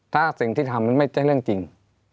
ถ้าสิ่งที่ทำมันไม่ใช่เรื่องจริง